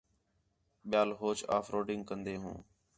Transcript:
ٻِیال ہوچ آ ف روڈنگ کندے ہوں